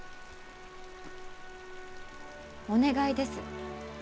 お願いです。